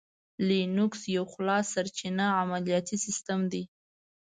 لینوکس یو خلاصسرچینه عملیاتي سیسټم دی.